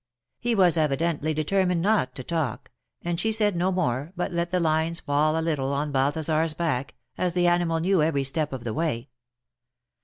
He was evidently determined not to talk, and she said no more, but let the lines fall a little on Balthasar's back, as the animal knew every step of the way.